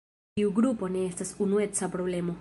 Tiu grupo ne estas unueca problemo.